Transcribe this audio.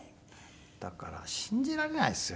だから信じられないですよね。